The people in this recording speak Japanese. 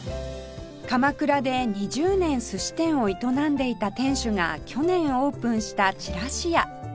鎌倉で２０年寿司店を営んでいた店主が去年オープンしたちらしや